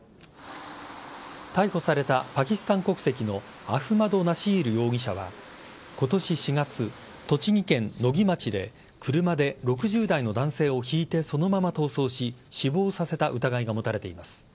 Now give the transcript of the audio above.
逮捕されたパキスタン国籍のアフマド・ナシール容疑者は今年４月、栃木県野木町で車で６０代の男性をひいてそのまま逃走し死亡させた疑いが持たれています。